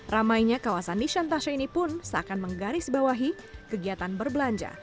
ramainya kawasan nisantasa ini pun seakan menggaris bawahi kegiatan berbelanja